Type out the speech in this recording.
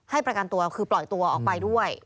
ประกันตัวคือปล่อยตัวออกไปด้วย